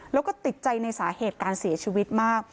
แล้วก็ติดใจในสาเหตุการเสียชีวิตมาก